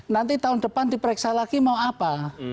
nanti tahun depan diperiksa lagi mau apa